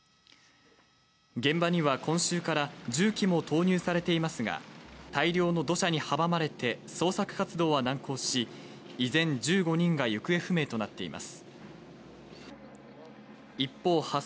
現場には今週から重機も投入されていますが、大量の土砂に阻まれて捜索活動は難航し、依然１５人が行方不明となっています。